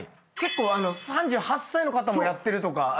結構３８歳の方もやってるとか。